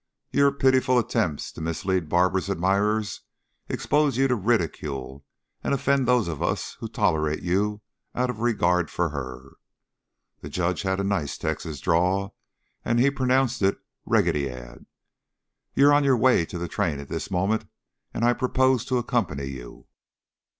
"Your pitiful attempts to mislead Barbara's admirers expose you to ridicule, and offend those of us who tolerate you out of regard for her." (The judge had a nice Texas drawl, and he pronounced it "reegy'ad.") "You're on your way to the train at this moment and I propose to accompany you."